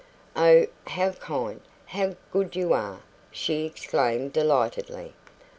"Oh, how kind, how good you are!" she exclaimed delightedly.